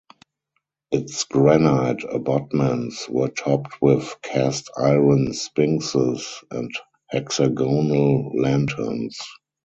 Its granite abutments were topped with cast-iron sphinxes and hexagonal lanterns.